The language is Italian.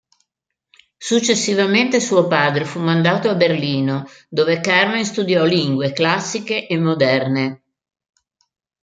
Successivamente suo padre fu mandato a Berlino, dove Carmen studiò Lingue Classiche e Moderne.